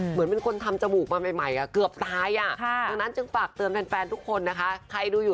เหมือนเป็นคนทำจมูกมาใหม่เกือบตายอ่ะ